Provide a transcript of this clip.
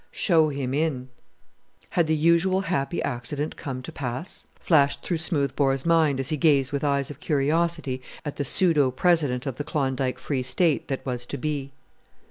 "Show him in!" Had the usual happy accident come to pass? flashed through Smoothbore's mind as he gazed with eyes of curiosity at the pseudo President of the Klondike Free State that was to be.